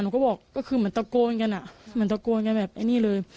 เขาบอกก็คือเหมือนตะโกนกันอ่ะเหมือนตะโกนกันแบบไอ้นี่เลย